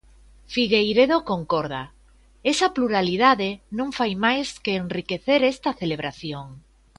Figueiredo concorda: Esa pluralidade non fai máis que enriquecer esta celebración.